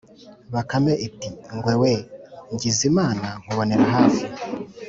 bakame iti: ‘ngwe we, ngize imana nkubonera hafi,